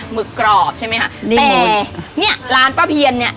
หึกกรอบใช่ไหมคะแต่เนี่ยร้านป้าเพียนเนี่ย